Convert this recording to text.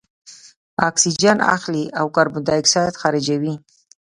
اکسیجن اخلي او کاربن دای اکساید خارجوي.